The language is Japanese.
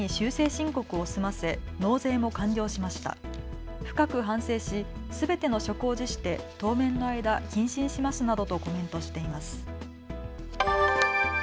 深く反省しすべての職を辞して当面の間謹慎しますなどとコメントしています。